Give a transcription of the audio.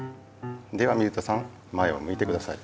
では水田さん前をむいてください。